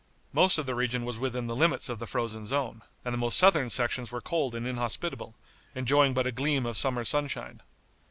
Most of the region was within the limits of the frozen zone, and the most southern sections were cold and inhospitable, enjoying but a gleam of summer sunshine.